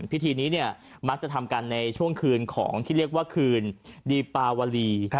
พิธีนี้เนี่ยมักจะทำกันในช่วงคืนของที่เรียกว่าคืนดีปาวลี